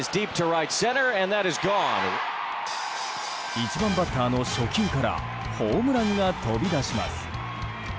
１番バッターの初球からホームランが飛び出します。